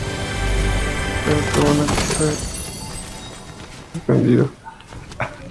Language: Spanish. Pero tuvo una corta vida, ya que, por la mañana"News" fue suspendido.